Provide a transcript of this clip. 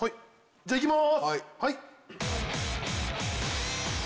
じゃいきます。